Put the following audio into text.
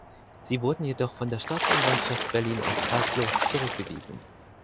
Sie wurden jedoch von der Staatsanwaltschaft Berlin als haltlos zurückgewiesen.